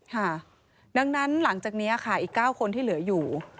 ถ้าหากคุณซึ่งนั้นหลังจากนี้อีก๙คนที่เหลืออยู่